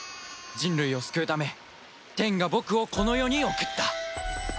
人類を救うため天が僕をこの世に送った